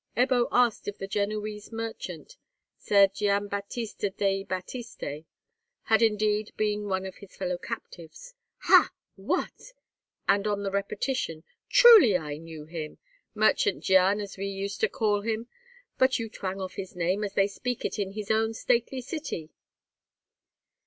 Ebbo asked if the Genoese merchant, Ser Gian Battista dei Battiste, had indeed been one of his fellow captives. "Ha!—what?" and on the repetition, "Truly I knew him, Merchant Gian as we used to call him; but you twang off his name as they speak it in his own stately city."